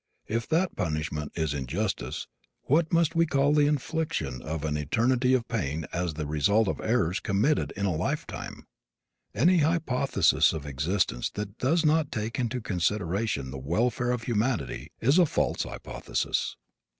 If that punishment is injustice what must we call the infliction of an eternity of pain as the result of the errors committed in a lifetime? Any hypothesis of existence that does not take into consideration the welfare of humanity is a false hypothesis.